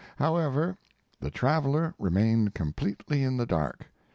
However, the traveler remained completely in the dark.